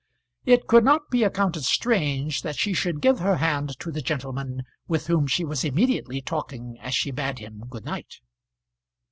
It could not be accounted strange that she should give her hand to the gentleman with whom she was immediately talking as she bade him good night.